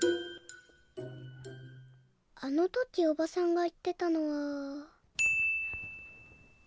あのとき伯母さんが言ってたのは。